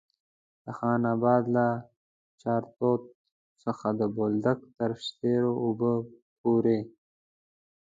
د خان اباد له چارتوت څخه د بولدک تر شیرو اوبو پورې.